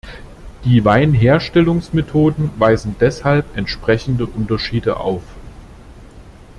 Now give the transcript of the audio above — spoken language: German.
Die Weinherstellungsmethoden weisen deshalb entsprechende Unterschiede auf.